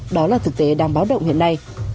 đó là thực tế đang báo động hiện nay